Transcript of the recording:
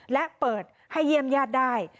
และเปิดให้เยี่ยมญาติได้